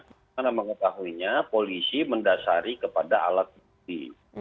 dari mana mengetahuinya polisi mendasari kepada alat bukti